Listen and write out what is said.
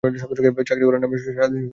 চাকরি করার নাম নেই, সারাদিন শুধু ঘুরা।